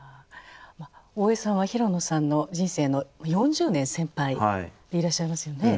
大江さんは平野さんの人生の４０年先輩でいらっしゃいますよね。